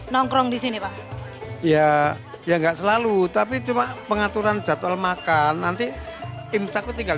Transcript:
nongkrong di sini pak ya ya enggak selalu tapi cuma pengaturan jadwal makan nanti imsaku tinggal